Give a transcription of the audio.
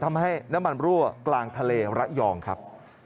ทำให้น้ำมันรั่วกลางทะเลระยองครับ